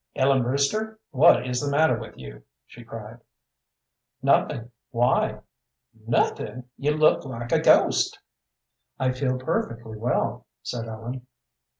"Ellen Brewster, what is the matter with you?" she cried. "Nothing. Why?" "Nothing! You look like a ghost." "I feel perfectly well," said Ellen.